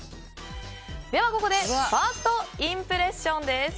では、ここでファーストインプレッションです。